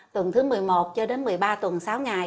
tuần thứ một mươi một cho đến một mươi ba tuần sáu ngày